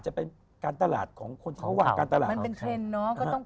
แจ็คครับชื่อแจ็ค